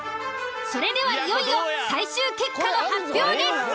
それではいよいよ最終結果の発表です。